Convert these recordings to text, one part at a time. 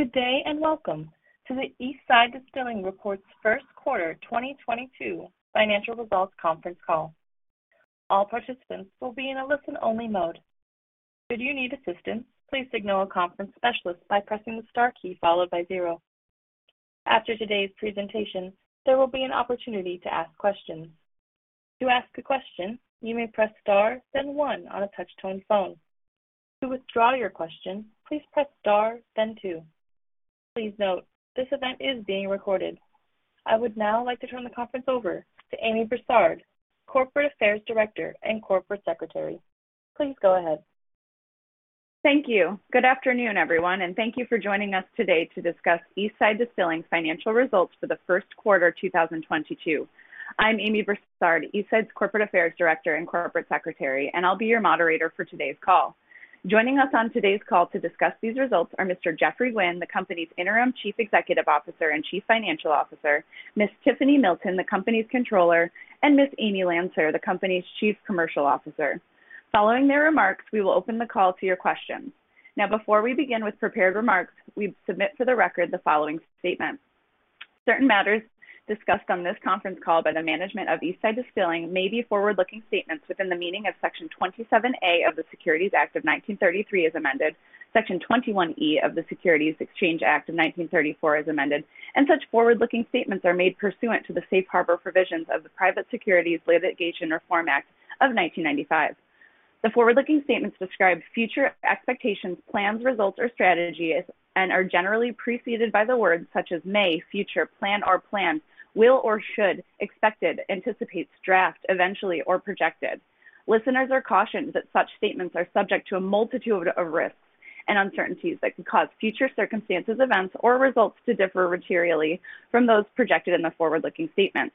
Good day, and welcome to the Eastside Distilling's First Quarter 2022 Financial Results conference call. All participants will be in a listen-only mode. Should you need assistance, please signal a conference specialist by pressing the star key followed by zero. After today's presentation, there will be an opportunity to ask questions. To ask a question, you may press star, then one on a touch-tone phone. To withdraw your question, please press star, then two. Please note, this event is being recorded. I would now like to turn the conference over to Amy Brassard, Corporate Affairs Director and Corporate Secretary. Please go ahead. Thank you. Good afternoon, everyone, and thank you for joining us today to discuss Eastside Distilling's financial results for the first quarter, 2022. I'm Amy Brassard, Eastside's Corporate Affairs Director and Corporate Secretary, and I'll be your moderator for today's call. Joining us on today's call to discuss these results are Mr. Geoffrey Gwin, the company's Interim Chief Executive Officer and Chief Financial Officer, Ms. Tiffany Milton, the company's Controller, and Ms. Amy Lancer, the company's Chief Commercial Officer. Following their remarks, we will open the call to your questions. Now, before we begin with prepared remarks, we submit for the record the following statement. Certain matters discussed on this conference call by the management of Eastside Distilling may be forward-looking statements within the meaning of Section 27A of the Securities Act of 1933 as amended, Section 21E of the Securities Exchange Act of 1934 as amended, and such forward-looking statements are made pursuant to the safe harbor provisions of the Private Securities Litigation Reform Act of 1995. The forward-looking statements describe future expectations, plans, results or strategies and are generally preceded by the words such as may, future, plan or plan, will or should, expected, anticipates, draft, eventually or projected. Listeners are cautioned that such statements are subject to a multitude of risks and uncertainties that could cause future circumstances, events or results to differ materially from those projected in the forward-looking statements.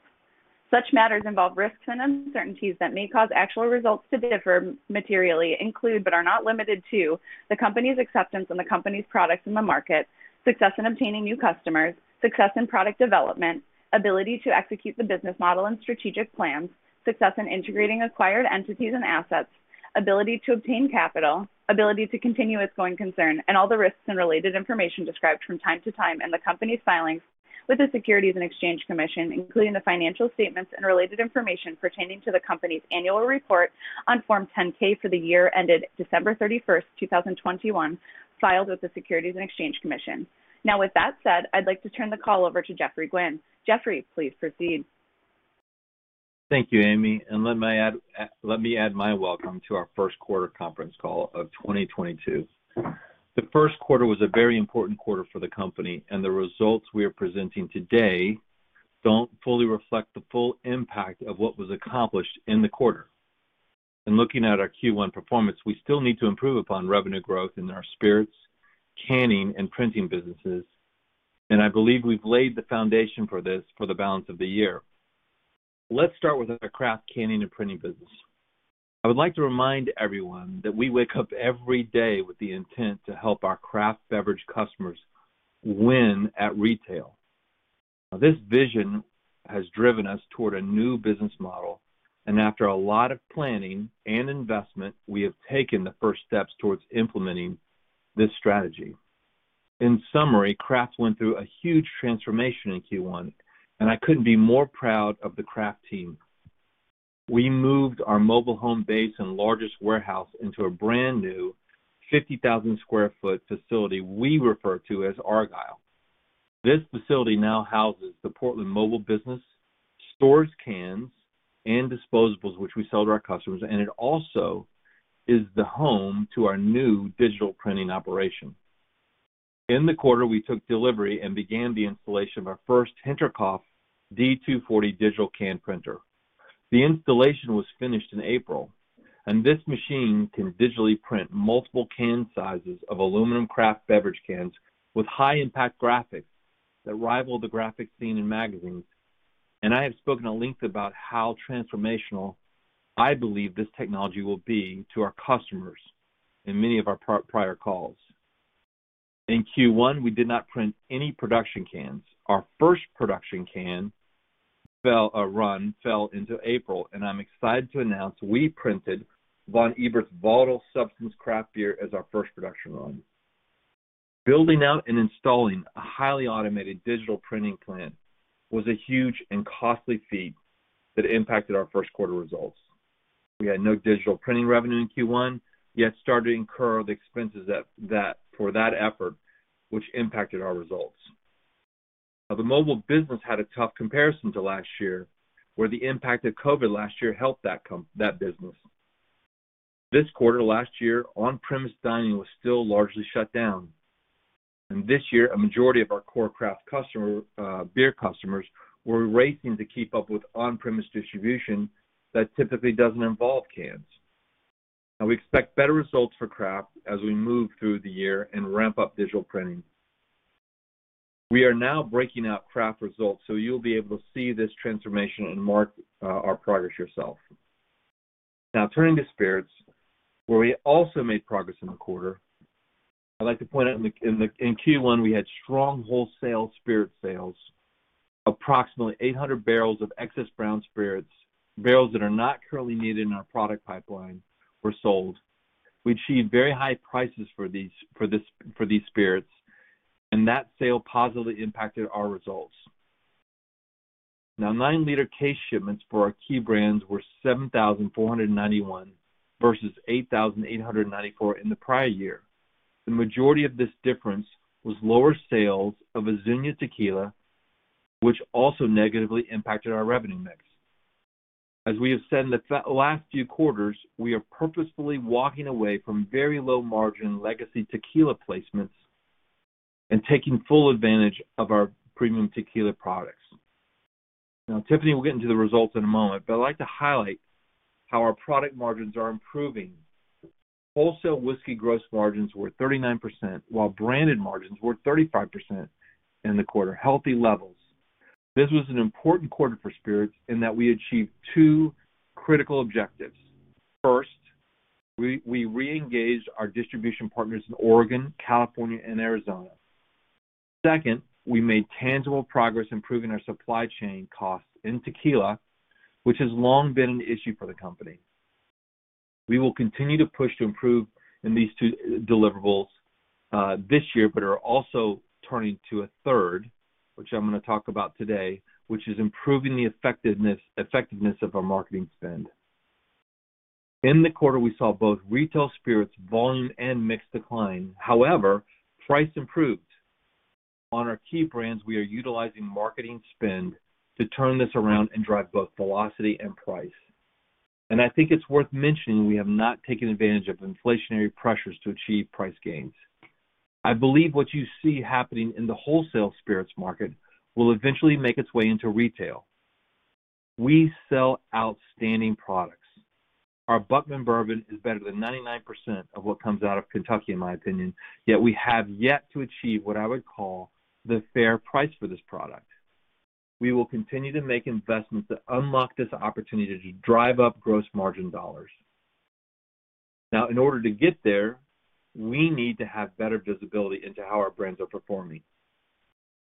Such matters involve risks and uncertainties that may cause actual results to differ materially. Include, but are not limited to, the company's acceptance and the company's products in the market, success in obtaining new customers, success in product development, ability to execute the business model and strategic plans, success in integrating acquired entities and assets, ability to obtain capital, ability to continue its going concern, and all the risks and related information described from time to time in the company's filings with the Securities and Exchange Commission, including the financial statements and related information pertaining to the company's annual report on Form 10-K for the year ended December 31st, 2021, filed with the Securities and Exchange Commission. Now, with that said, I'd like to turn the call over to Geoffrey Gwin. Geoffrey, please proceed. Thank you, Amy, and let me add my welcome to our first quarter conference call of 2022. The first quarter was a very important quarter for the company, and the results we are presenting today don't fully reflect the full impact of what was accomplished in the quarter. In looking at our Q1 performance, we still need to improve upon revenue growth in our spirits, canning, and printing businesses, and I believe we've laid the foundation for this for the balance of the year. Let's start with our craft canning and printing business. I would like to remind everyone that we wake up every day with the intent to help our craft beverage customers win at retail. This vision has driven us toward a new business model, and after a lot of planning and investment, we have taken the first steps towards implementing this strategy. In summary, Craft went through a huge transformation in Q1, and I couldn't be more proud of the Craft team. We moved our mobile home base and largest warehouse into a brand new 50,000 sq ft facility we refer to as Argyle. This facility now houses the Portland mobile business, stores cans and disposables which we sell to our customers, and it also is the home to our new digital printing operation. In the quarter, we took delivery and began the installation of our first Hinterkopf D240 digital can printer. The installation was finished in April, and this machine can digitally print multiple can sizes of aluminum craft beverage cans with high impact graphics that rival the graphics seen in magazines. I have spoken at length about how transformational I believe this technology will be to our customers in many of our prior calls. In Q1, we did not print any production cans. Our first production run fell into April, and I'm excited to announce we printed Von Ebert's Volatile Substance craft beer as our first production run. Building out and installing a highly automated digital printing plant was a huge and costly feat that impacted our first quarter results. We had no digital printing revenue in Q1, yet started to incur the expenses for that effort, which impacted our results. The mobile business had a tough comparison to last year, where the impact of COVID last year helped that business. This quarter last year, on-premise dining was still largely shut down. This year, a majority of our core craft customer beer customers were racing to keep up with on-premise distribution that typically doesn't involve cans. Now we expect better results for Craft as we move through the year and ramp up digital printing. We are now breaking out Craft results, so you'll be able to see this transformation and track our progress yourself. Now turning to spirits, where we also made progress in the quarter, I'd like to point out in Q1 we had strong wholesale spirit sales. Approximately 800 barrels of excess brown spirits, barrels that are not currently needed in our product pipeline, were sold. We achieved very high prices for these spirits, and that sale positively impacted our results. Now, 9-liter case shipments for our key brands were 7,491 versus 8,894 in the prior year. The majority of this difference was lower sales of Azuñia Tequila, which also negatively impacted our revenue mix. As we have said in the last few quarters, we are purposefully walking away from very low margin legacy tequila placements and taking full advantage of our premium tequila products. Now, Tiffany will get into the results in a moment, but I'd like to highlight how our product margins are improving. Wholesale whiskey gross margins were 39%, while branded margins were 35% in the quarter, healthy levels. This was an important quarter for spirits in that we achieved two critical objectives. First, we reengaged our distribution partners in Oregon, California, and Arizona. Second, we made tangible progress improving our supply chain costs in tequila, which has long been an issue for the company. We will continue to push to improve in these two deliverables, this year, but are also turning to a third, which I'm gonna talk about today, which is improving the effectiveness of our marketing spend. In the quarter, we saw both retail spirits volume and mix decline. However, price improved. On our key brands, we are utilizing marketing spend to turn this around and drive both velocity and price. I think it's worth mentioning we have not taken advantage of inflationary pressures to achieve price gains. I believe what you see happening in the wholesale spirits market will eventually make its way into retail. We sell outstanding products. Our Burnside bourbon is better than 99% of what comes out of Kentucky, in my opinion, yet we have yet to achieve what I would call the fair price for this product. We will continue to make investments that unlock this opportunity to drive up gross margin dollars. Now, in order to get there, we need to have better visibility into how our brands are performing.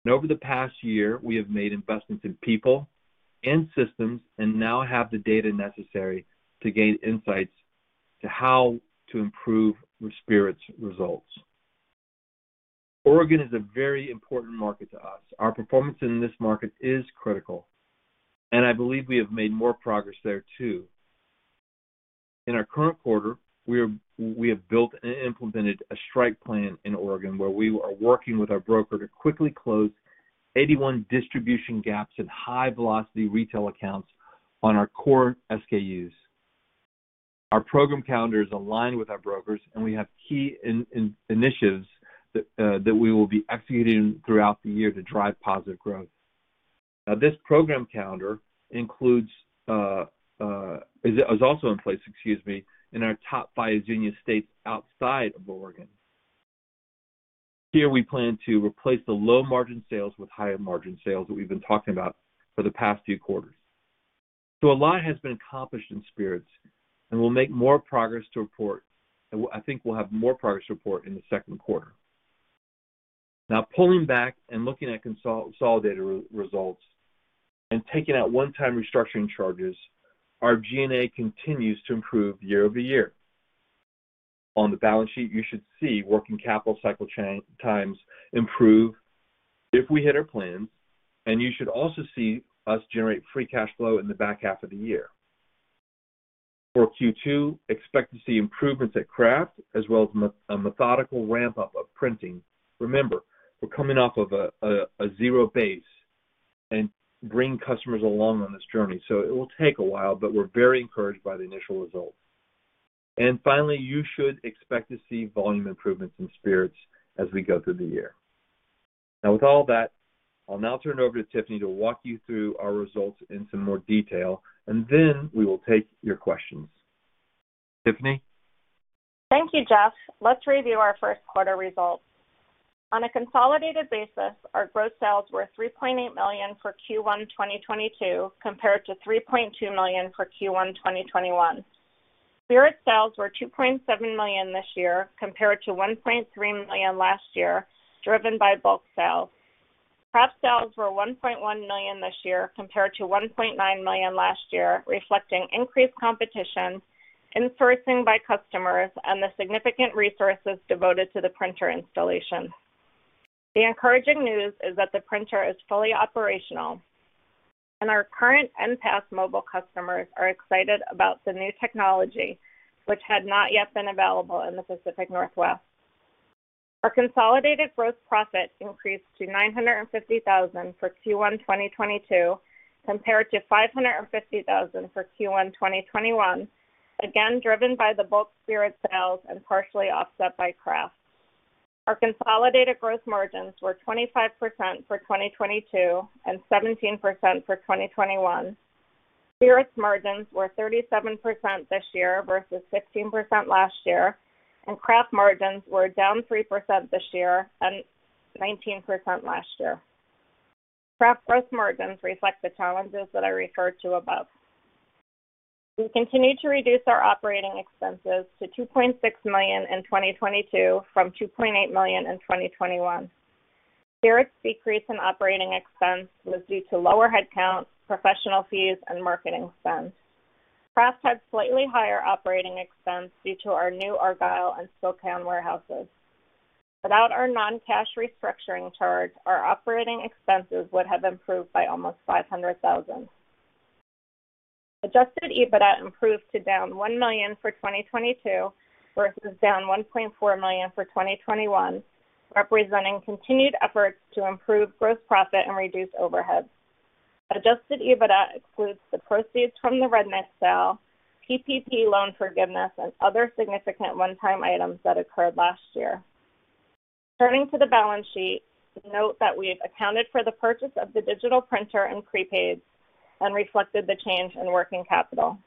Over the past year, we have made investments in people and systems, and now have the data necessary to gain insights into how to improve the spirits results. Oregon is a very important market to us. Our performance in this market is critical, and I believe we have made more progress there too. In our current quarter, we have implemented a strike plan in Oregon, where we are working with our broker to quickly close 81 distribution gaps in high velocity retail accounts on our core SKUs. Our program calendar is aligned with our brokers, and we have key initiatives that we will be executing throughout the year to drive positive growth. Now this program calendar is also in place, excuse me, in our top five Azuñia states outside of Oregon. Here, we plan to replace the low-margin sales with higher margin sales that we've been talking about for the past few quarters. A lot has been accomplished in spirits, and we'll make more progress to report. I think we'll have more progress to report in the second quarter. Now, pulling back and looking at consolidated results and taking out one-time restructuring charges, our G&A continues to improve year-over-year. On the balance sheet, you should see working capital cycle times improve if we hit our plans, and you should also see us generate free cash flow in the back half of the year. For Q2, expect to see improvements at Craft as well as a methodical ramp-up of printing. Remember, we're coming off of a zero base and bring customers along on this journey, so it will take a while, but we're very encouraged by the initial results. Finally, you should expect to see volume improvements in spirits as we go through the year. Now, with all that, I'll now turn it over to Tiffany to walk you through our results in some more detail, and then we will take your questions. Tiffany? Thank you, Geoff. Let's review our first quarter results. On a consolidated basis, our gross sales were $3.8 million for Q1 2022 compared to $3.2 million for Q1 2021. Spirit sales were $2.7 million this year compared to $1.3 million last year, driven by bulk sales. Craft sales were $1.1 million this year compared to $1.9 million last year, reflecting increased competition, influences by customers, and the significant resources devoted to the printer installation. The encouraging news is that the printer is fully operational, and our current and past mobile customers are excited about the new technology, which had not yet been available in the Pacific Northwest. Our consolidated gross profit increased to $950,000 for Q1 2022 compared to $550,000 for Q1 2021, again driven by the bulk spirit sales and partially offset by craft. Our consolidated gross margins were 25% for 2022 and 17% for 2021. Spirits margins were 37% this year versus 16% last year, and craft margins were down 3% this year and 19% last year. Craft gross margins reflect the challenges that I referred to above. We continued to reduce our operating expenses to $2.6 million in 2022 from $2.8 million in 2021. Spirits decrease in operating expense was due to lower headcounts, professional fees, and marketing spends. Craft had slightly higher operating expense due to our new Argyle and Spokane warehouses. Without our non-cash restructuring charge, our operating expenses would have improved by almost $500,000. Adjusted EBITDA improved to down $1 million for 2022 versus down $1.4 million for 2021, representing continued efforts to improve gross profit and reduce overhead. Adjusted EBIT excludes the proceeds from the Redneck sale, PPP loan forgiveness, and other significant one-time items that occurred last year. Turning to the balance sheet, note that we've accounted for the purchase of the digital printer and prepaid and reflected the change in working capital.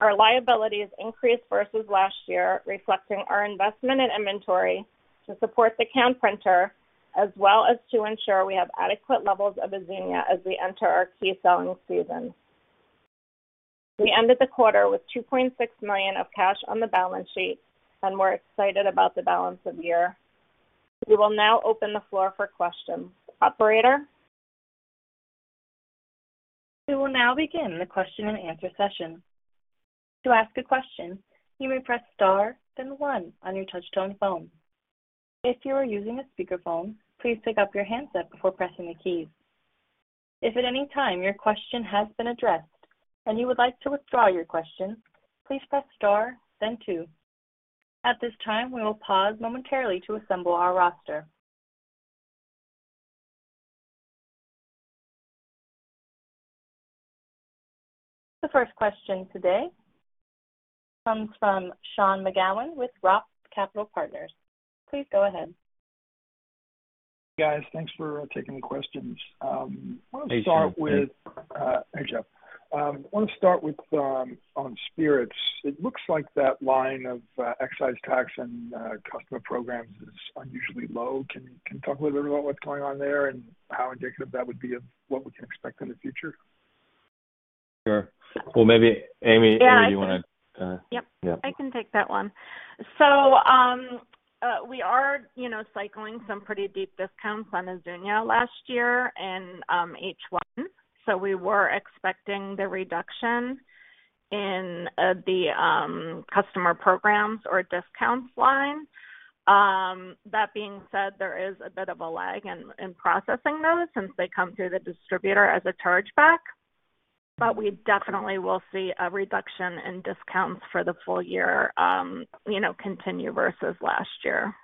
Our liabilities increased versus last year, reflecting our investment in inventory to support the can printer, as well as to ensure we have adequate levels of Azuñia as we enter our key selling season. We ended the quarter with $2.6 million of cash on the balance sheet, and we're excited about the balance of the year. We will now open the floor for questions. Operator? We will now begin the question-and-answer session. To ask a question, you may press star then one on your touchtone phone. If you are using a speakerphone, please pick up your handset before pressing the keys. If at any time your question has been addressed and you would like to withdraw your question, please press star then two. At this time, we will pause momentarily to assemble our roster. The first question today comes from Sean McGowan with ROTH Capital Partners. Please go ahead. Guys, thanks for taking the questions. I want to start with. Hey, Sean. Hey, Jeff. I want to start with on Spirits. It looks like that line of excise tax and customer programs is unusually low. Can you talk a little bit about what's going on there and how indicative that would be of what we can expect in the future? Sure. Well, maybe Amy, you want to Yep. Yeah. I can take that one. We are, you know, cycling some pretty deep discounts on Azuñia last year and H1. We were expecting the reduction in the customer programs or discounts line. That being said, there is a bit of a lag in processing those since they come through the distributor as a chargeback. We definitely will see a reduction in discounts for the full year, you know, continue versus last year.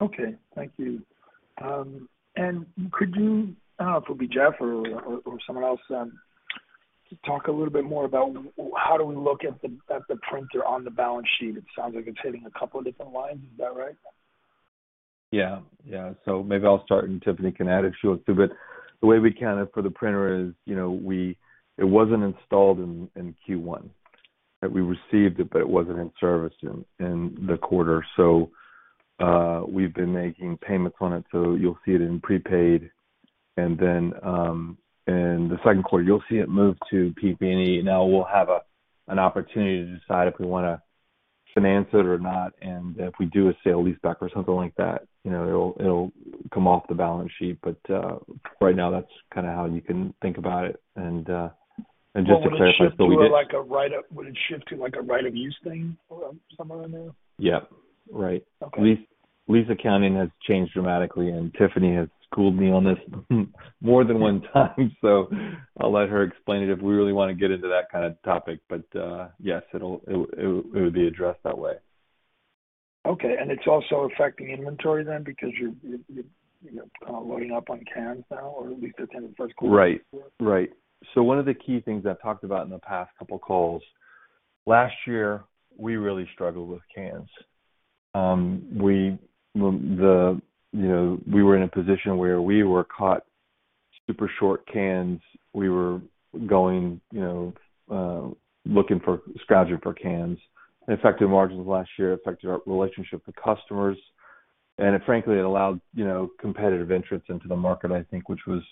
Okay. Thank you. Could you, I don't know if it'll be Jeff or someone else, talk a little bit more about how we look at the printer on the balance sheet? It sounds like it's hitting a couple of different lines. Is that right? Yeah. Maybe I'll start, and Tiffany can add if she wants to. The way we count it for the printer is, you know, it wasn't installed in Q1 that we received it, but it wasn't in service in the quarter. We've been making payments on it, so you'll see it in prepaid. Then, in the second quarter, you'll see it move to PP&E. Now we'll have an opportunity to decide if we wanna finance it or not, and if we do a sale leaseback or something like that, you know, it'll come off the balance sheet. Right now, that's kinda how you can think about it. Just to clarify what we did. Would it shift to, like, a right of use thing or somewhere in there? Yeah. Right. Okay. Lease accounting has changed dramatically, and Tiffany has schooled me on this more than one time. I'll let her explain it if we really wanna get into that kinda topic. Yes, it would be addressed that way. Okay. It's also affecting inventory then because you're you know, loading up on cans now, or at least ending first quarter? Right. One of the key things I've talked about in the past couple calls, last year, we really struggled with cans. We were in a position where we were caught super short cans. We were going, you know, looking for, scrounging for cans. It affected margins last year. It affected our relationship with customers. It frankly allowed, you know, competitive entrants into the market, I think, which was,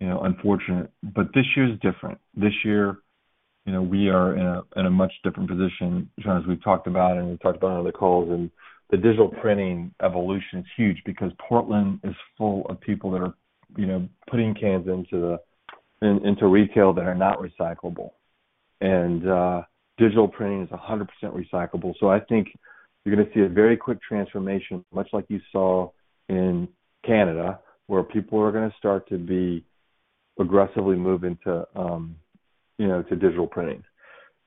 you know, unfortunate. This year is different. This year, you know, we are in a much different position, Sean, as we've talked about and we've talked about on other calls. The digital printing evolution is huge because Portland is full of people that are, you know, putting cans into retail that are not recyclable. Digital printing is 100% recyclable. I think you're gonna see a very quick transformation, much like you saw in Canada, where people are gonna start to be progressively moving to digital printing.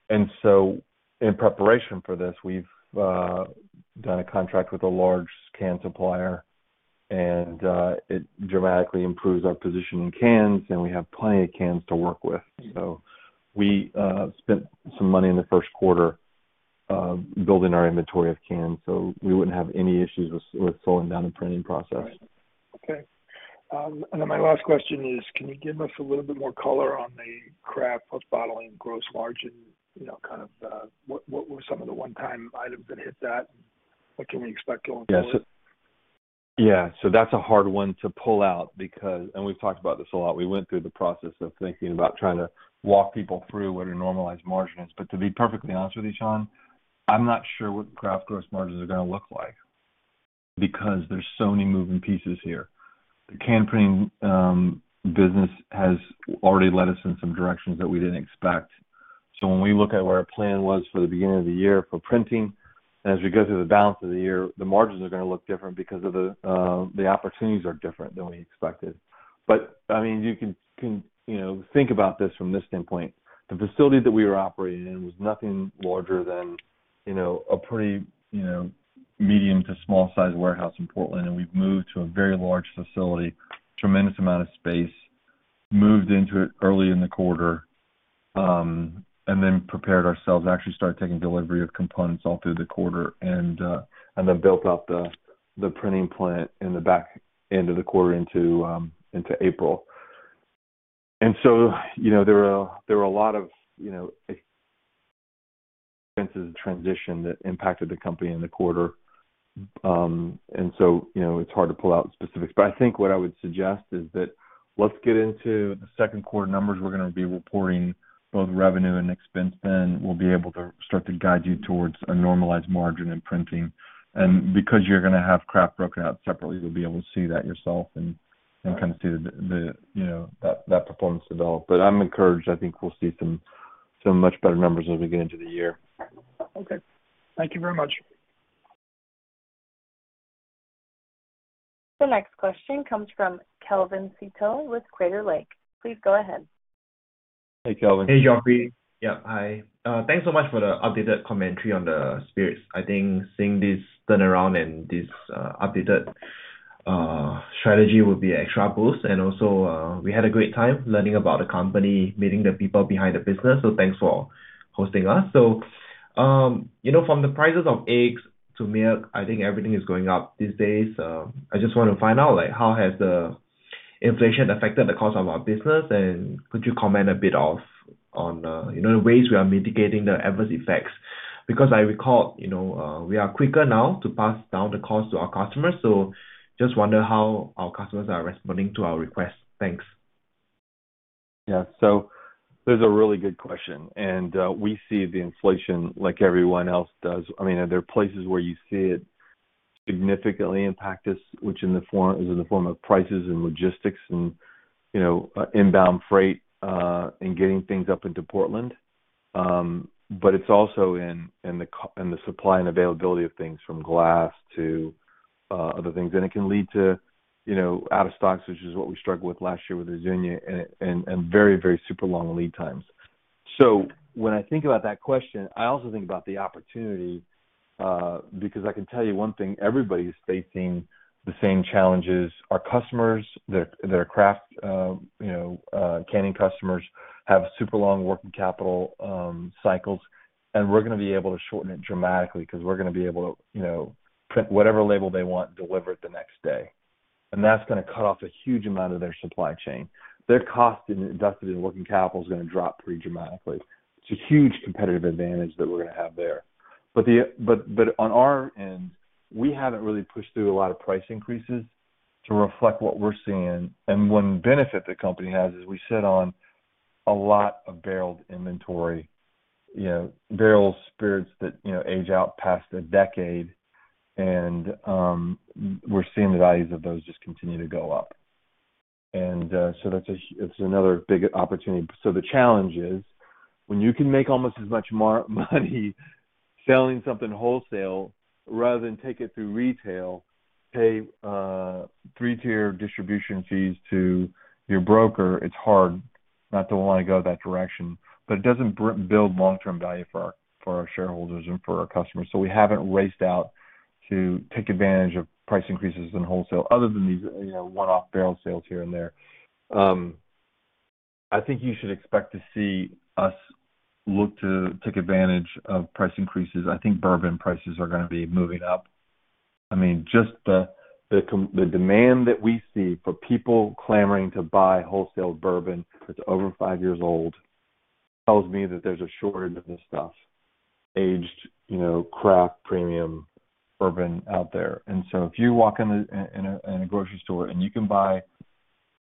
In preparation for this, we've done a contract with a large can supplier, and it dramatically improves our position in cans, and we have plenty of cans to work with. We spent some money in the first quarter building our inventory of cans, so we wouldn't have any issues with slowing down the printing process. Right. Okay, and then my last question is, can you give us a little bit more color on the craft post bottling gross margin? You know, kind of, what were some of the one-time items that hit that? What can we expect going forward? Yeah. That's a hard one to pull out because we've talked about this a lot. We went through the process of thinking about trying to walk people through what a normalized margin is. To be perfectly honest with you, Sean, I'm not sure what the craft gross margins are gonna look like because there's so many moving pieces here. The can printing business has already led us in some directions that we didn't expect. When we look at what our plan was for the beginning of the year for printing, as we go through the balance of the year, the margins are gonna look different because of the opportunities are different than we expected. I mean, you can you know, think about this from this standpoint. The facility that we were operating in was nothing larger than, you know, a pretty, you know, medium to small-sized warehouse in Portland, and we've moved to a very large facility, tremendous amount of space. Moved into it early in the quarter, and then prepared ourselves to actually start taking delivery of components all through the quarter and then built out the printing plant in the back end of the quarter into April. You know, there were a lot of, you know, expenses of transition that impacted the company in the quarter. You know, it's hard to pull out specifics. I think what I would suggest is that let's get into the second quarter numbers we're gonna be reporting both revenue and expense, then we'll be able to start to guide you towards a normalized margin in printing. Because you're gonna have craft broken out separately, you'll be able to see that yourself and kind of see the you know that performance develop. I'm encouraged. I think we'll see some much better numbers as we get into the year. Okay. Thank you very much. The next question comes from Kelvin Seetoh with Crater Lake. Please go ahead. Hey, Kelvin. Hey, Geoffrey. Yeah, hi. Thanks so much for the updated commentary on the spirits. I think seeing this turnaround and this updated strategy will be an extra boost. Also, we had a great time learning about the company, meeting the people behind the business, so thanks for hosting us. You know, from the prices of eggs to milk, I think everything is going up these days. I just want to find out, like, how has the inflation affected the cost of our business, and could you comment a bit on, you know, the ways we are mitigating the adverse effects? Because I recall, you know, we are quicker now to pass on the cost to our customers, so just wonder how our customers are responding to our requests. Thanks. Yeah. That's a really good question. We see the inflation like everyone else does. I mean, there are places where you see it significantly impact us, which is in the form of prices and logistics and, you know, inbound freight and getting things up into Portland. It's also in the supply and availability of things from glass to other things. It can lead to, you know, out of stocks, which is what we struggled with last year with Azuñia and very super long lead times. When I think about that question, I also think about the opportunity, because I can tell you one thing, everybody's facing the same challenges. Our customers that are craft canning customers have super long working capital cycles, and we're gonna be able to shorten it dramatically because we're gonna be able to, you know, print whatever label they want and deliver it the next day. That's gonna cut off a huge amount of their supply chain. Their cost invested in working capital is gonna drop pretty dramatically. It's a huge competitive advantage that we're gonna have there. On our end, we haven't really pushed through a lot of price increases to reflect what we're seeing. One benefit the company has is we sit on a lot of barreled inventory, you know, barrel spirits that, you know, age out past a decade. We're seeing the values of those just continue to go up. That's another big opportunity. The challenge is when you can make almost as much money selling something wholesale rather than take it through retail, pay three-tier distribution fees to your broker, it's hard not to want to go that direction. It doesn't build long-term value for our shareholders and for our customers. We haven't raced out to take advantage of price increases in wholesale other than these, you know, one-off barrel sales here and there. I think you should expect to see us look to take advantage of price increases. I think bourbon prices are gonna be moving up. I mean, just the demand that we see for people clamoring to buy wholesale bourbon that's over 5 years old tells me that there's a shortage of this stuff, aged, you know, craft premium bourbon out there. If you walk in a grocery store and you can buy,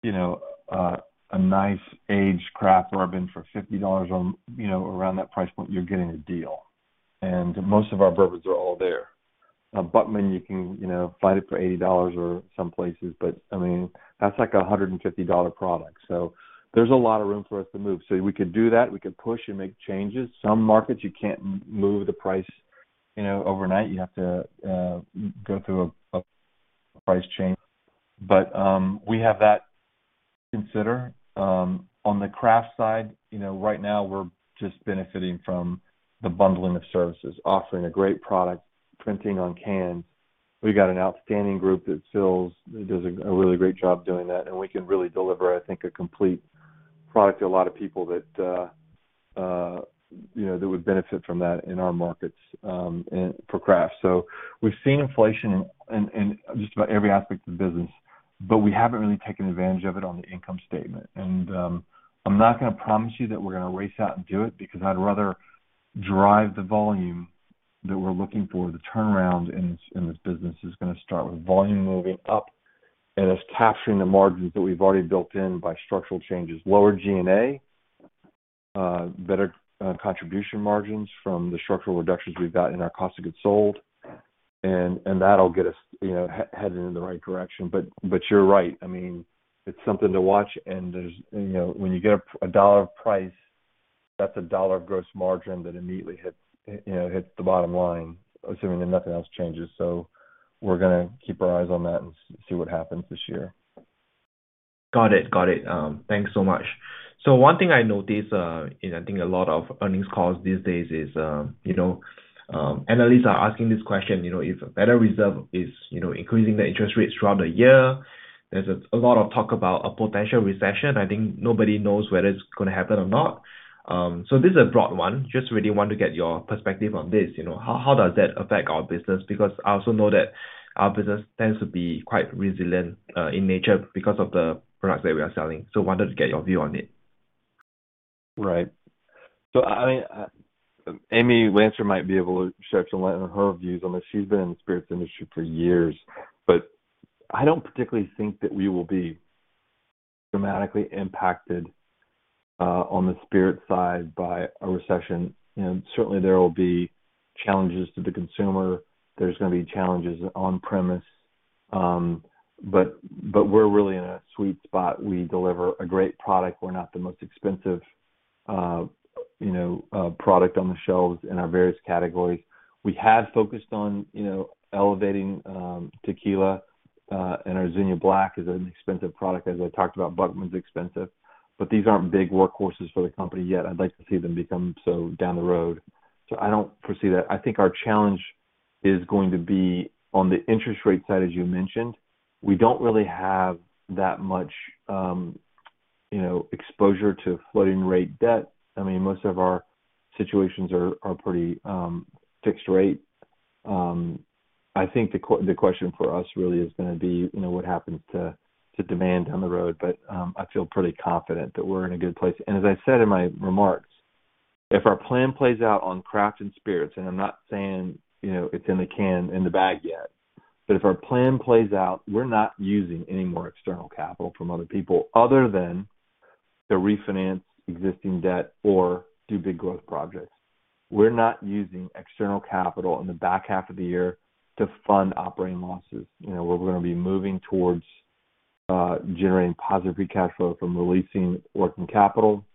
you know, a nice aged craft bourbon for $50 or, you know, around that price point, you're getting a deal. Most of our bourbons are all there. Now, Burnside, you can, you know, find it for $80 or some places, but I mean, that's like a $150 product. There's a lot of room for us to move. We could do that. We could push and make changes. Some markets, you can't move the price, you know, overnight. You have to go through a price change. We have that to consider. On the craft side, you know, right now we're just benefiting from the bundling of services, offering a great product, printing on can. We've got an outstanding group that fills, does a really great job doing that, and we can really deliver, I think, a complete product to a lot of people that, you know, that would benefit from that in our markets, and for craft. We've seen inflation in just about every aspect of the business. We haven't really taken advantage of it on the income statement. I'm not gonna promise you that we're gonna race out and do it because I'd rather drive the volume that we're looking for. The turnaround in this business is gonna start with volume moving up, and it's capturing the margins that we've already built in by structural changes. Lower G&A, better contribution margins from the structural reductions we've got in our cost of goods sold. That'll get us, you know, headed in the right direction. You're right. I mean, it's something to watch. There's you know, when you get a dollar of price, that's a dollar of gross margin that immediately hits, you know, the bottom line, assuming that nothing else changes. We're gonna keep our eyes on that and see what happens this year. Got it. Thanks so much. One thing I notice, in I think a lot of earnings calls these days, is, you know, analysts are asking this question, you know, if Federal Reserve is, you know, increasing the interest rates throughout the year, there's a lot of talk about a potential recession. I think nobody knows whether it's gonna happen or not. This is a broad one. Just really want to get your perspective on this, you know. How does that affect our business? Because I also know that our business tends to be quite resilient in nature because of the products that we are selling. Wanted to get your view on it. Right. Amy Lancer might be able to shed some light on her views on this. She's been in the spirits industry for years. I don't particularly think that we will be dramatically impacted on the spirits side by a recession. Certainly, there will be challenges to the consumer. There's gonna be challenges on premise. We're really in a sweet spot. We deliver a great product. We're not the most expensive, you know, product on the shelves in our various categories. We have focused on, you know, elevating tequila, and our Azuñia Black is an expensive product, as I talked about. Burnside's expensive. These aren't big workhorses for the company yet. I'd like to see them become so down the road. I don't foresee that. I think our challenge is going to be on the interest rate side, as you mentioned. We don't really have that much, you know, exposure to floating rate debt. I mean, most of our situations are pretty fixed rate. I think the question for us really is gonna be, you know, what happens to demand down the road. I feel pretty confident that we're in a good place. As I said in my remarks, if our plan plays out on craft and spirits, and I'm not saying, you know, it's in the can, in the bag yet, but if our plan plays out, we're not using any more external capital from other people other than to refinance existing debt or do big growth projects. We're not using external capital in the back half of the year to fund operating losses. You know, we're gonna be moving towards generating positive free cash flow from releasing working capital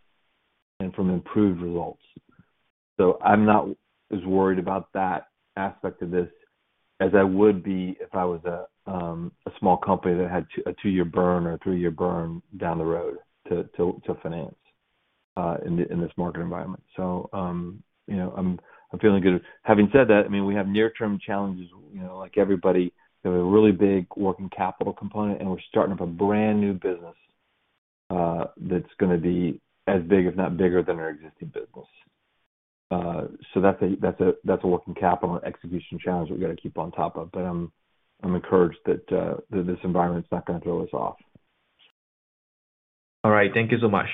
and from improved results. I'm not as worried about that aspect of this as I would be if I was a small company that had a 2-year burn or a 3-year burn down the road to finance in this market environment. You know, I'm feeling good. Having said that, I mean, we have near-term challenges, you know, like everybody. We have a really big working capital component, and we're starting up a brand-new business that's gonna be as big, if not bigger, than our existing business. That's a working capital and execution challenge that we gotta keep on top of. I'm encouraged that this environment's not gonna throw us off. All right. Thank you so much.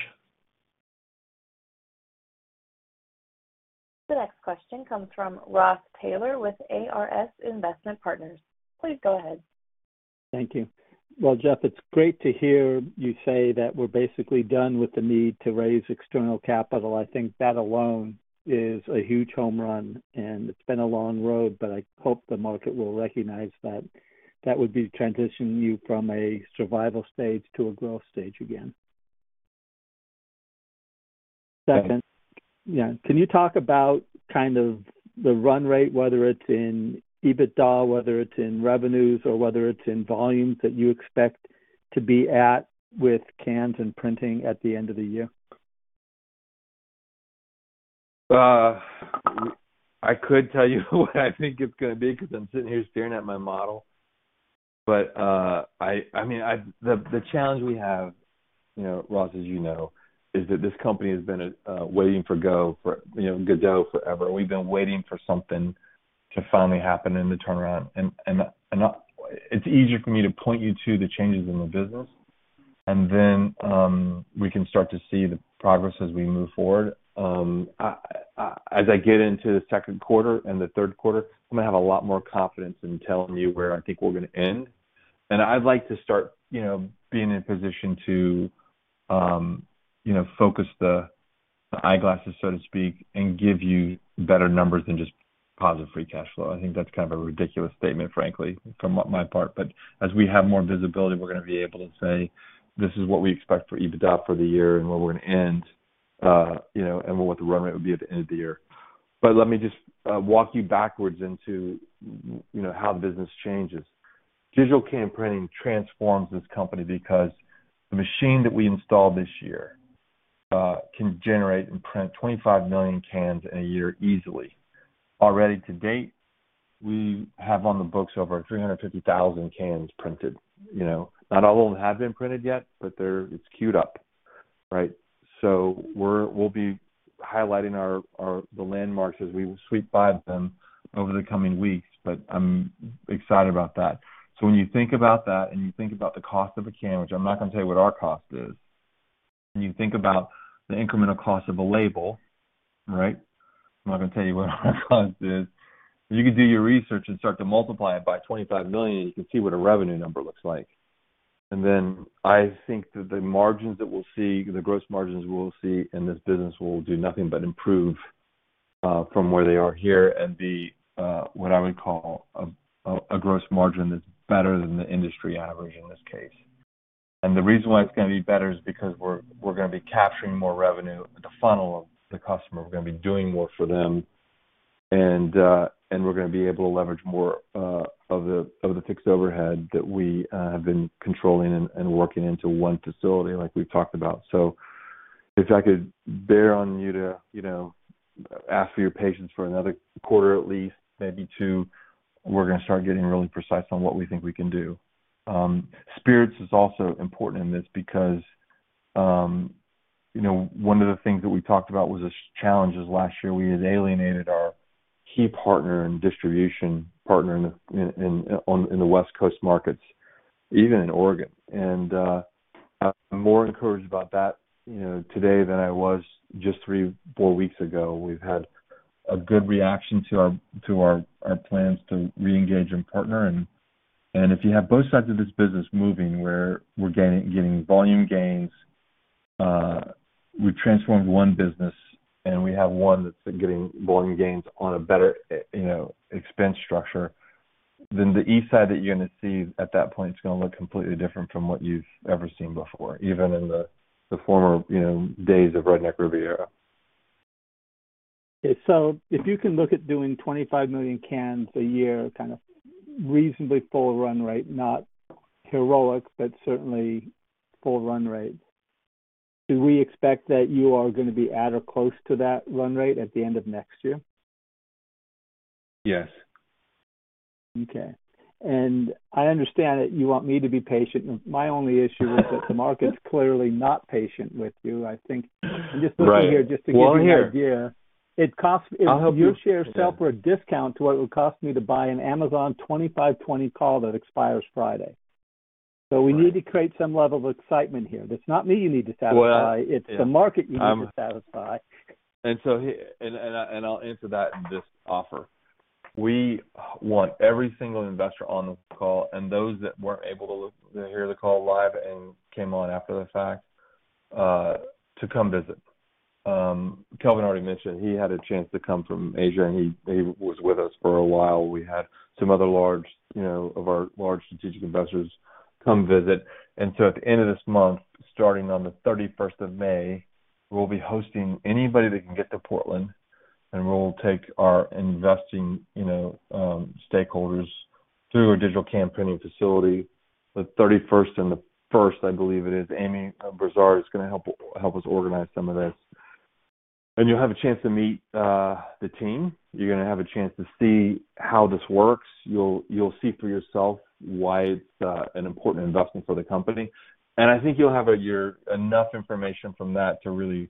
The next question comes from Ross Taylor with ARS Investment Partners. Please go ahead. Thank you. Well, Jeff, it's great to hear you say that we're basically done with the need to raise external capital. I think that alone is a huge home run, and it's been a long road, but I hope the market will recognize that that would be transitioning you from a survival stage to a growth stage again. Yeah. Yeah. Can you talk about kind of the run rate, whether it's in EBITDA, whether it's in revenues, or whether it's in volumes that you expect to be at with cans and printing at the end of the year? I could tell you what I think it's gonna be 'cause I'm sitting here staring at my model. The challenge we have, you know, Ross, as you know, is that this company has been waiting for go for, you know, go forever. We've been waiting for something to finally happen in the turnaround. It's easier for me to point you to the changes in the business, and then we can start to see the progress as we move forward. As I get into the second quarter and the third quarter, I'm gonna have a lot more confidence in telling you where I think we're gonna end. I'd like to start, you know, being in a position to, you know, focus the eyeglasses, so to speak, and give you better numbers than just positive free cash flow. I think that's kind of a ridiculous statement, frankly, from my part. As we have more visibility, we're gonna be able to say, "This is what we expect for EBITDA for the year and where we're gonna end, you know, and what the run rate will be at the end of the year." Let me just walk you backwards into, you know, how the business changes. Digital can printing transforms this company because the machine that we installed this year can generate and print 25 million cans in a year easily. Already to date, we have on the books over 350,000 cans printed. You know, not all of them have been printed yet, but it's queued up. Right. We'll be highlighting our the landmarks as we sweep by them over the coming weeks, but I'm excited about that. When you think about that and you think about the cost of a can, which I'm not gonna tell you what our cost is, when you think about the incremental cost of a label, right? I'm not gonna tell you what our cost is. You can do your research and start to multiply it by 25 million, and you can see what a revenue number looks like. I think that the margins that we'll see, the gross margins we will see in this business will do nothing but improve from where they are here and be what I would call a gross margin that's better than the industry average in this case. The reason why it's gonna be better is because we're gonna be capturing more revenue at the funnel of the customer. We're gonna be doing more for them, and we're gonna be able to leverage more of the fixed overhead that we have been controlling and working into one facility like we've talked about. If I could impose on you to, you know, ask for your patience for another quarter at least, maybe two, we're gonna start getting really precise on what we think we can do. Spirits is also important in this because, you know, one of the things that we talked about was the challenges last year. We had alienated our key partner and distribution partner in the West Coast markets, even in Oregon. I'm more encouraged about that, you know, today than I was just 3-4 weeks ago. We've had a good reaction to our plans to reengage and partner and if you have both sides of this business moving, where we're getting volume gains, we've transformed one business and we have one that's been getting volume gains on a better, you know, expense structure, then the Eastside that you're gonna see at that point is gonna look completely different from what you've ever seen before, even in the former, you know, days of Redneck Riviera. Okay. If you can look at doing 25 million cans a year, kind of reasonably full run rate, not heroic, but certainly full run rate, do we expect that you are gonna be at or close to that run rate at the end of next year? Yes. Okay. I understand that you want me to be patient. My only issue is that the market's clearly not patient with you, I think. Right. I'm just looking here just to give you an idea. We're here. It costs. I'll help you. Your shares sell for a discount to what it would cost me to buy an Amazon 25 20 call that expires Friday. Right. We need to create some level of excitement here. That's not me you need to satisfy. Well, yeah. It's the market you need to satisfy. I'll answer that in this offer. We want every single investor on this call and those that weren't able to hear the call live and came on after the fact to come visit. Kelvin already mentioned he had a chance to come from Asia, and he was with us for a while. We had some other large, you know, of our large strategic investors come visit. At the end of this month, starting on the 31st of May, we'll be hosting anybody that can get to Portland, and we'll take our investing, you know, stakeholders through our digital can printing facility. The 31st and the 1st, I believe it is Amy Brassard is gonna help us organize some of this. You'll have a chance to meet the team. You're gonna have a chance to see how this works. You'll see for yourself why it's an important investment for the company. I think you'll have enough information from that to really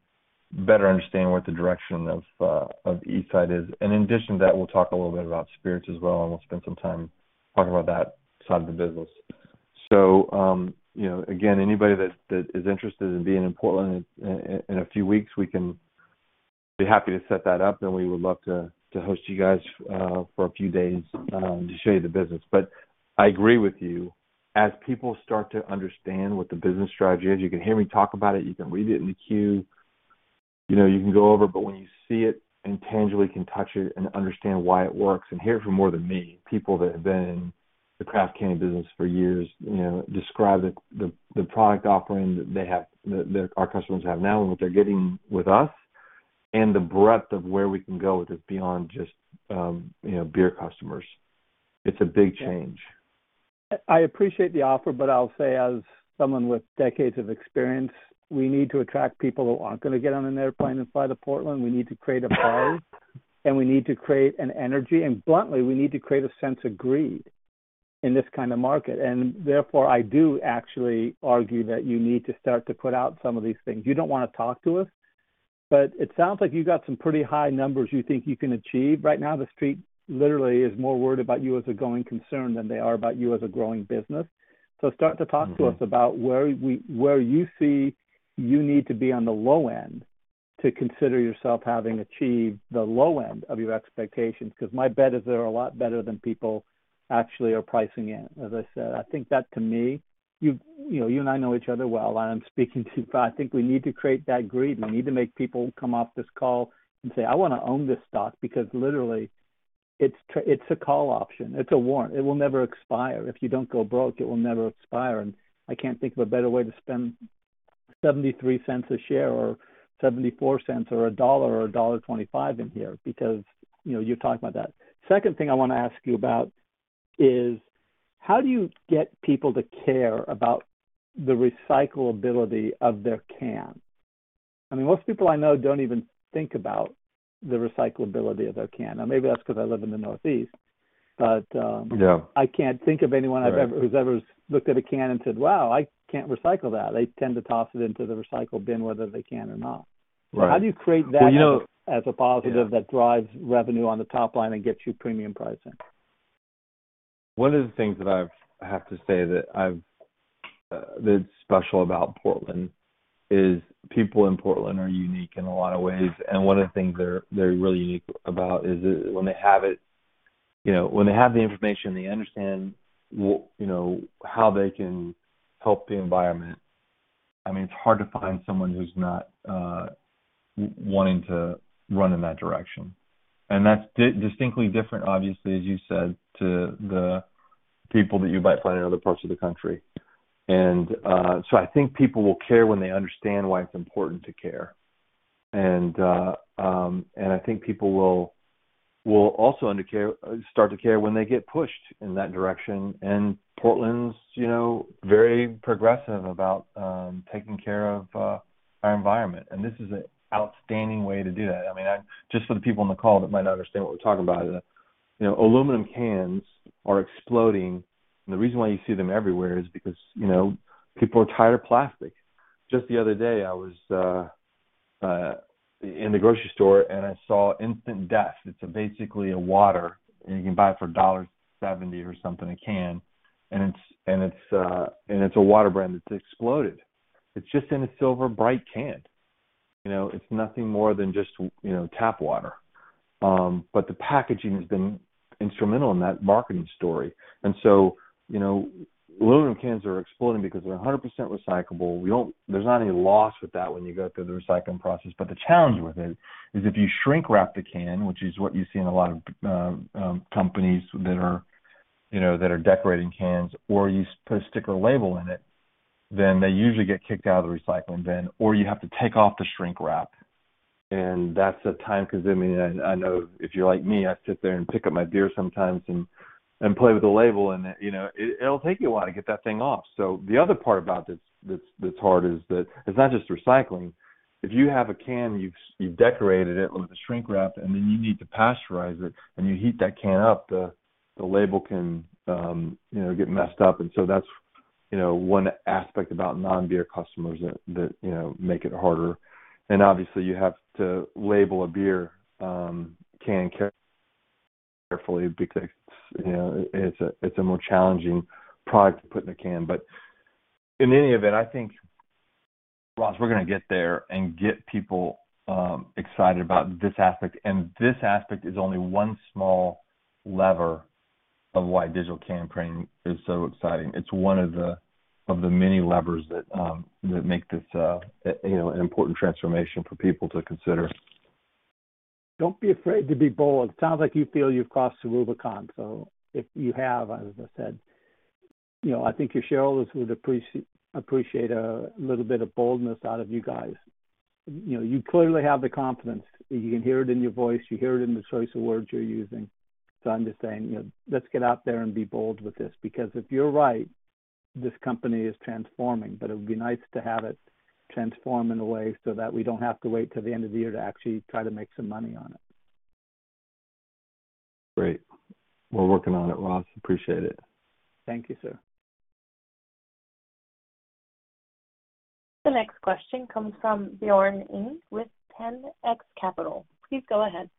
better understand what the direction of Eastside is. In addition to that, we'll talk a little bit about spirits as well, and we'll spend some time talking about that side of the business. You know, again, anybody that is interested in being in Portland in a few weeks, we can be happy to set that up, and we would love to host you guys for a few days to show you the business. I agree with you. As people start to understand what the business strategy is, you can hear me talk about it, you can read it in the Q, you know, you can go over, but when you see it and tangibly can touch it and understand why it works and hear from more than me, people that have been in the Craft canning business for years, you know, describe the product offering that they have that our customers have now and what they're getting with us and the breadth of where we can go with it beyond just, you know, beer customers. It's a big change. I appreciate the offer, but I'll say as someone with decades of experience, we need to attract people who aren't gonna get on an airplane and fly to Portland. We need to create a buzz, and we need to create an energy. Bluntly, we need to create a sense of greed in this kind of market. Therefore, I do actually argue that you need to start to put out some of these things. You don't wanna talk to us, but it sounds like you've got some pretty high numbers you think you can achieve. Right now, the street literally is more worried about you as a going concern than they are about you as a growing business. Start to talk to us about where you see you need to be on the low end to consider yourself having achieved the low end of your expectations, because my bet is they're a lot better than people actually are pricing in. As I said, I think that to me, you know, you and I know each other well, and I'm speaking to I think we need to create that greed. We need to make people come off this call and say, "I wanna own this stock," because literally it's a call option. It's a warrant. It will never expire. If you don't go broke, it will never expire. I can't think of a better way to spend $0.73 a share or $0.74 or $1 or $1.25 in here because, you know, you're talking about that. Second thing I wanna ask you about is how do you get people to care about the recyclability of their can? I mean, most people I know don't even think about the recyclability of their can. Now, maybe that's because I live in the Northeast, but. Yeah. I can't think of anyone who's ever looked at a can and said, "Wow, I can't recycle that." They tend to toss it into the recycle bin whether they can or not. Right. How do you create that as a positive that drives revenue on the top line and gets you premium pricing? One of the things that I have to say that's special about Portland is people in Portland are unique in a lot of ways. One of the things they're really unique about is when they have it, you know, when they have the information, they understand, you know, how they can help the environment. I mean, it's hard to find someone who's not wanting to run in that direction. That's distinctly different, obviously, as you said, to the people that you might find in other parts of the country. I think people will care when they understand why it's important to care. I think people will also start to care when they get pushed in that direction. Portland's, you know, very progressive about taking care of our environment, and this is an outstanding way to do that. I mean, just for the people on the call that might not understand what we're talking about, you know, aluminum cans are exploding, and the reason why you see them everywhere is because, you know, people are tired of plastic. Just the other day, I was in the grocery store, and I saw Liquid Death. It's basically a water, and you can buy it for $1.70 or something a can. It's a water brand that's exploded. It's just in a silver bright can. You know, it's nothing more than just, you know, tap water. The packaging has been instrumental in that marketing story. You know, aluminum cans are exploding because they're 100% recyclable. There's not any loss with that when you go through the recycling process. But the challenge with it is if you shrink wrap the can, which is what you see in a lot of companies that are, you know, that are decorating cans, or you put a sticker label on it, then they usually get kicked out of the recycling bin, or you have to take off the shrink wrap. That's a time-consuming. I know if you're like me, I sit there and pick up my beer sometimes and play with the label and that. You know, it'll take you a while to get that thing off. The other part about this that's hard is that it's not just recycling. If you have a can, you've decorated it with a shrink wrap, and then you need to pasteurize it, and you heat that can up, the label can get messed up. That's one aspect about non-beer customers that make it harder. Obviously you have to label a beer can carefully because it's a more challenging product to put in a can. In any event, I think, Ross, we're gonna get there and get people excited about this aspect. This aspect is only one small lever of why digital can printing is so exciting. It's one of the many levers that make this an important transformation for people to consider. Don't be afraid to be bold. Sounds like you feel you've crossed the Rubicon. If you have, as I said, you know, I think your shareholders would appreciate a little bit of boldness out of you guys. You know, you clearly have the confidence. You can hear it in your voice. You hear it in the choice of words you're using. I'm just saying, you know, let's get out there and be bold with this, because if you're right, this company is transforming. It would be nice to have it transform in a way so that we don't have to wait till the end of the year to actually try to make some money on it. Great. We're working on it, Ross. Appreciate it. Thank you, sir. The next question comes from Bjoern Stengel with 10X Capital. Please go ahead.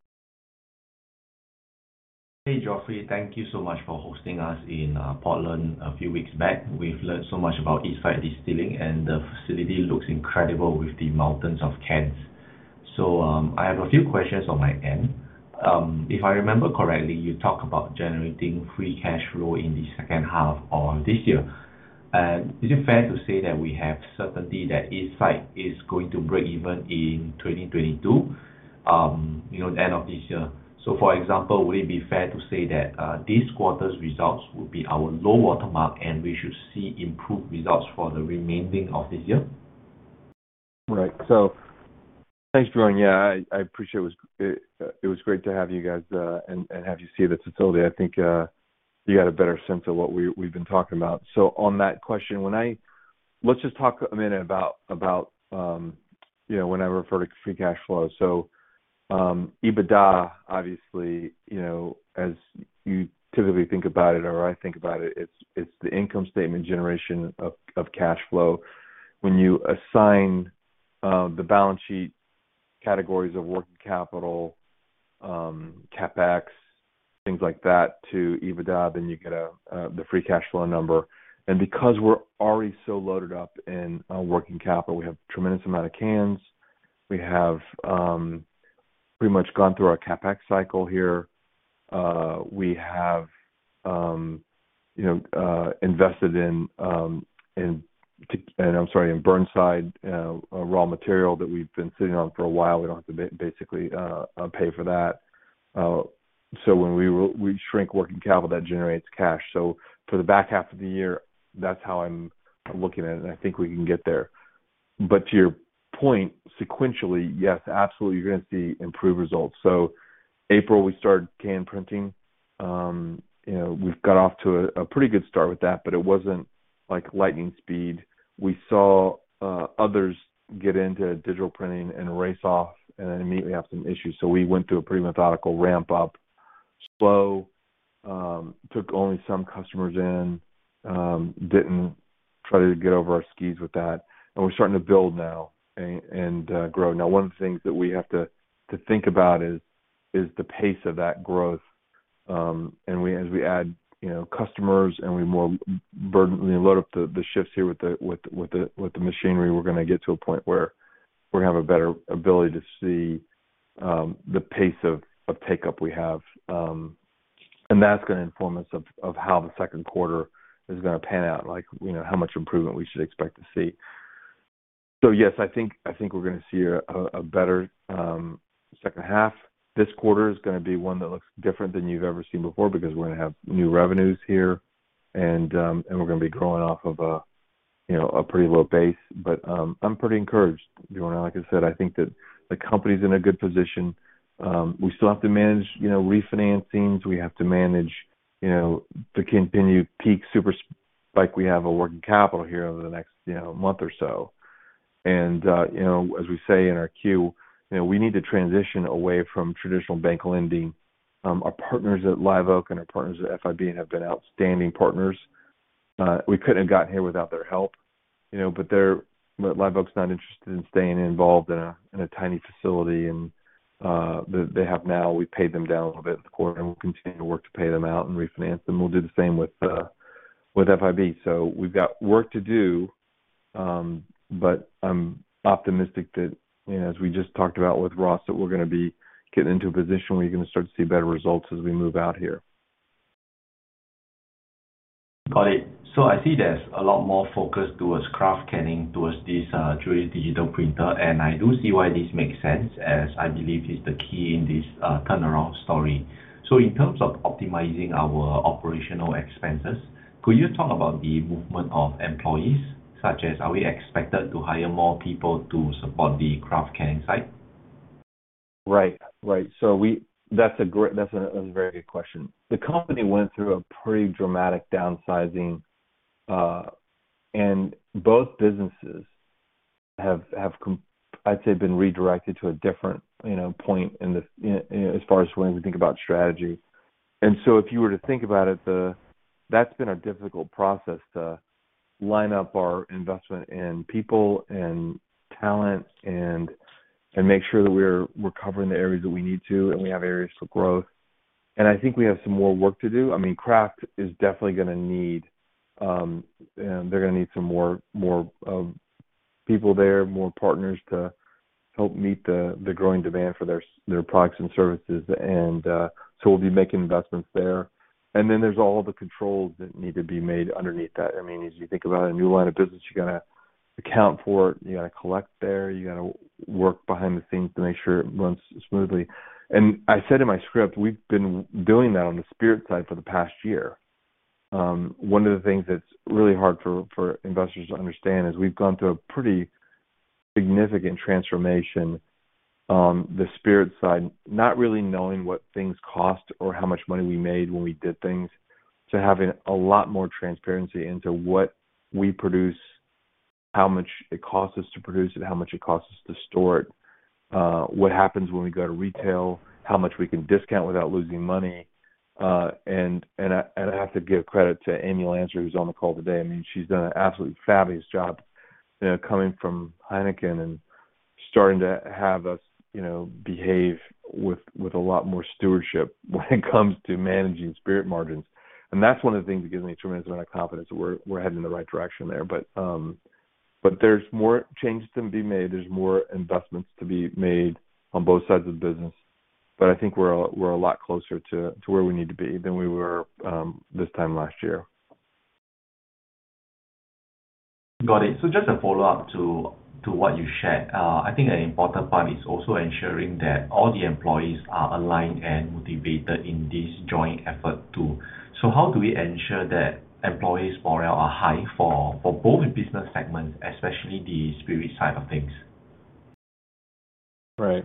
Hey, Geoffrey. Thank you so much for hosting us in Portland a few weeks back. We've learned so much about Eastside Distilling, and the facility looks incredible with the mountains of cans. I have a few questions on my end. If I remember correctly, you talked about generating free cash flow in the second half of this year. Is it fair to say that we have certainty that Eastside Distilling is going to break even in 2022, you know, the end of this year? For example, would it be fair to say that this quarter's results will be our low water mark and we should see improved results for the remaining of this year? Right. Thanks, Bjoern. Yeah, I appreciate it. It was great to have you guys, and have you see the facility. I think you got a better sense of what we've been talking about. On that question. Let's just talk a minute about you know, when I refer to free cash flow. EBITDA, obviously, you know, as you typically think about it or I think about it's the income statement generation of cash flow. When you assign the balance sheet categories of working capital, CapEx, things like that to EBITDA, then you get the free cash flow number. Because we're already so loaded up in our working capital, we have tremendous amount of cans. We have pretty much gone through our CapEx cycle here. We have, you know, invested in Burnside raw material that we've been sitting on for a while. We don't have to basically pay for that. When we shrink working capital, that generates cash. For the back half of the year, that's how I'm looking at it, and I think we can get there. To your point, sequentially, yes, absolutely, you're gonna see improved results. April, we started can printing. You know, we've got off to a pretty good start with that, but it wasn't like lightning speed. We saw others get into digital printing and race off and then immediately have some issues. We went through a pretty methodical ramp up, slow, took only some customers in, didn't try to get over our skis with that, and we're starting to build now and grow. One of the things that we have to think about is the pace of that growth. As we add, you know, customers and we more load up the shifts here with the machinery, we're gonna get to a point where we're gonna have a better ability to see the pace of pickup we have. That's gonna inform us of how the second quarter is gonna pan out. Like, you know, how much improvement we should expect to see. Yes, I think we're gonna see a better second half. This quarter is gonna be one that looks different than you've ever seen before because we're gonna have new revenues here and we're gonna be growing off of a, you know, a pretty low base. I'm pretty encouraged, Geoffrey. Like I said, I think that the company's in a good position. We still have to manage, you know, refinancings. We have to manage, you know, the continued peak super spike in our working capital here over the next, you know, month or so. As we say in our Q, you know, we need to transition away from traditional bank lending. Our partners at Live Oak and our partners at FIB have been outstanding partners. We couldn't have gotten here without their help, you know. Live Oak Bank's not interested in staying involved in a tiny facility, and they have now. We paid them down a little bit in the quarter, and we'll continue to work to pay them out and refinance them. We'll do the same with FIB. But I'm optimistic that, you know, as we just talked about with Ross, that we're gonna be getting into a position where you're gonna start to see better results as we move out here. Got it. I see there's a lot more focus towards Craft canning, towards this Hinterkopf D240, and I do see why this makes sense, as I believe this is the key in this turnaround story. In terms of optimizing our operational expenses, could you talk about the movement of employees, such as are we expected to hire more people to support the Craft canning side? Right. That's a very good question. The company went through a pretty dramatic downsizing, and both businesses have, I'd say, been redirected to a different, you know, point in this, you know, as far as when we think about strategy. If you were to think about it, that's been a difficult process to line up our investment in people and talent and make sure that we're covering the areas that we need to, and we have areas for growth. I think we have some more work to do. I mean, Craft is definitely gonna need, they're gonna need some more people there, more partners to help meet the growing demand for their products and services. We'll be making investments there. Then there's all the controls that need to be made underneath that. I mean, as you think about a new line of business, you gotta account for it, you gotta collect there, you gotta work behind the scenes to make sure it runs smoothly. I said in my script, we've been doing that on the spirit side for the past year. One of the things that's really hard for investors to understand is we've gone through a pretty significant transformation on the spirit side, not really knowing what things cost or how much money we made when we did things, to having a lot more transparency into what we produce, how much it costs us to produce it, how much it costs us to store it, what happens when we go to retail, how much we can discount without losing money. I have to give credit to Amy Lancer, who's on the call today. I mean, she's done an absolutely fabulous job, you know, coming from Heineken and starting to have us, you know, behave with a lot more stewardship when it comes to managing spirit margins. That's one of the things that gives me a tremendous amount of confidence that we're heading in the right direction there. There's more changes to be made. There's more investments to be made on both sides of the business. I think we're a lot closer to where we need to be than we were this time last year. Got it. Just a follow-up to what you shared. I think an important part is also ensuring that all the employees are aligned and motivated in this joint effort too. How do we ensure that employees' morale are high for both the business segments, especially the spirit side of things? Right.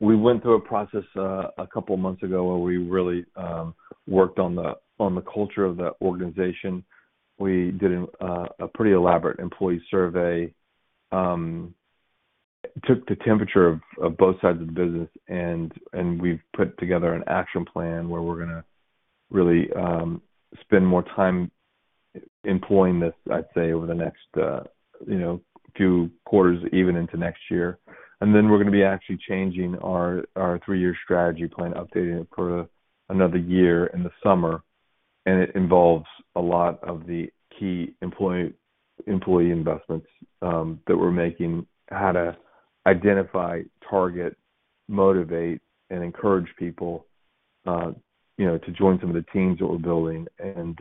We went through a process a couple of months ago where we really worked on the culture of the organization. We did a pretty elaborate employee survey, took the temperature of both sides of the business, and we've put together an action plan where we're gonna really spend more time employing this, I'd say, over the next, you know, two quarters, even into next year. Then we're gonna be actually changing our three-year strategy plan, updating it for another year in the summer. It involves a lot of the key employee investments that we're making, how to identify, target, motivate, and encourage people, you know, to join some of the teams that we're building, and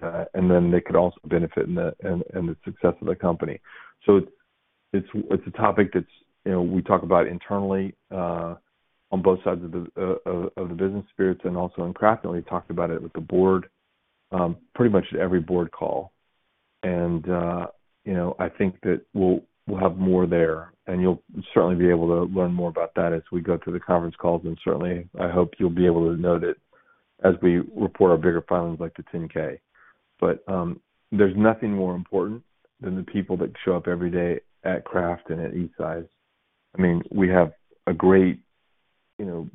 then they could also benefit in the success of the company. It's a topic that's, you know, we talk about internally on both sides of the business spirits and also in Craft, and we talked about it with the board pretty much every board call. I think that we'll have more there, and you'll certainly be able to learn more about that as we go through the conference calls, and certainly I hope you'll be able to note it as we report our bigger filings like the 10-K. There's nothing more important than the people that show up every day at Craft and at Eastside. I mean, we have a great, you know,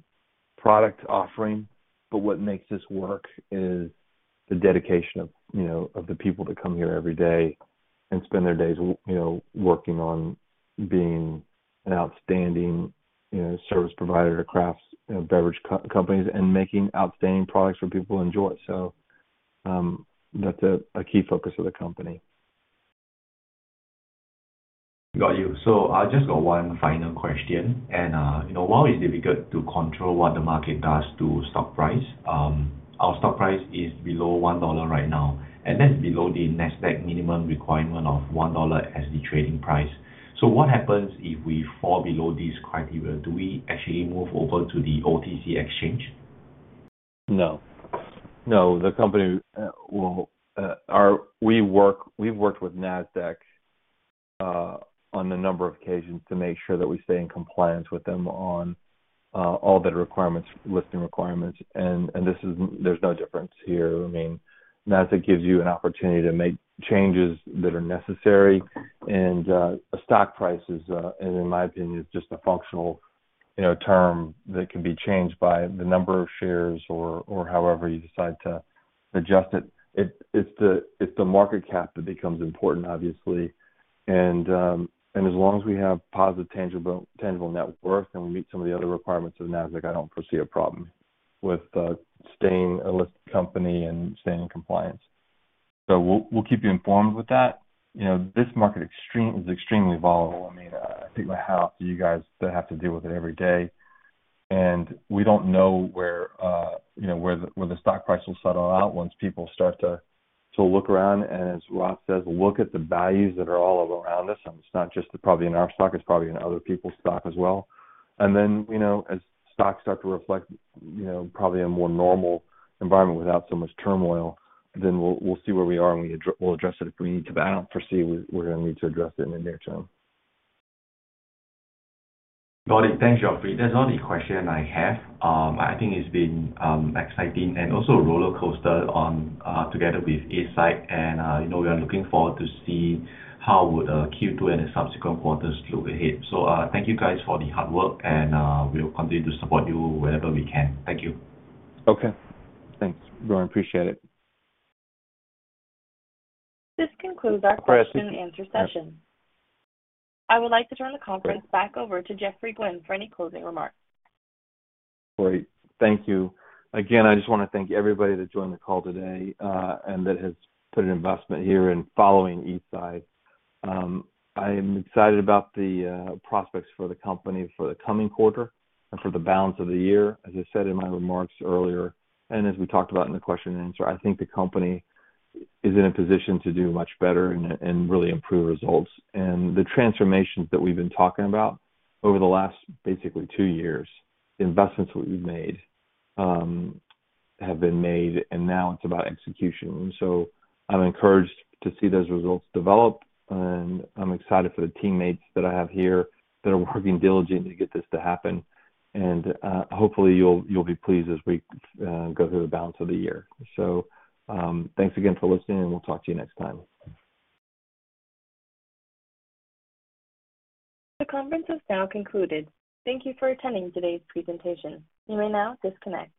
product offering, but what makes this work is the dedication of, you know, of the people that come here every day and spend their days you know, working on being an outstanding, you know, service provider to Craft's, you know, beverage companies and making outstanding products for people to enjoy. That's a key focus of the company. Got you. I just got one final question. You know, while it's difficult to control what the market does to stock price, our stock price is below $1 right now, and that's below the Nasdaq minimum requirement of $1 as the trading price. What happens if we fall below these criteria? Do we actually move over to the OTC exchange? No. We've worked with Nasdaq on a number of occasions to make sure that we stay in compliance with them on all their requirements, listing requirements. There's no difference here. I mean, Nasdaq gives you an opportunity to make changes that are necessary. Stock price is, in my opinion, just a functional, you know, term that can be changed by the number of shares or however you decide to adjust it. It's the market cap that becomes important, obviously. As long as we have positive tangible net worth and we meet some of the other requirements of Nasdaq, I don't foresee a problem with staying a listed company and staying in compliance. We'll keep you informed with that. You know, this market extreme is extremely volatile. I mean, I take my hat off to you guys that have to deal with it every day. We don't know where, you know, where the stock price will settle out once people start to look around and as Ross says, look at the values that are all around us, and it's not just probably in our stock, it's probably in other people's stock as well. Then, you know, as stocks start to reflect, you know, probably a more normal environment without so much turmoil, we'll see where we are and we'll address it if we need to, but I don't foresee we're gonna need to address it in the near term. Got it. Thanks, Geoffrey. That's all the question I have. I think it's been exciting and also a rollercoaster on together with Eastside and you know, we are looking forward to see how would Q2 and the subsequent quarters look ahead. Thank you guys for the hard work and we'll continue to support you wherever we can. Thank you. Okay. Thanks, Geoffrey Gwin. Appreciate it. This concludes our question-and-answer session. I would like to turn the conference back over to Geoffrey Gwin for any closing remarks. Great. Thank you. Again, I just wanna thank everybody that joined the call today, and that has put an investment here in following Eastside. I am excited about the prospects for the company for the coming quarter and for the balance of the year. As I said in my remarks earlier, and as we talked about in the question-and-answer, I think the company is in a position to do much better and really improve results. The transformations that we've been talking about over the last basically two years, the investments that we've made have been made, and now it's about execution. I'm encouraged to see those results develop, and I'm excited for the teammates that I have here that are working diligently to get this to happen. Hopefully you'll be pleased as we go through the balance of the year. Thanks again for listening, and we'll talk to you next time. The conference has now concluded. Thank you for attending today's presentation. You may now disconnect.